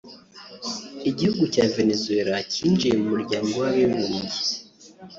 Igihugu cya Venezuela cyinjije mu muryango w’abibumbye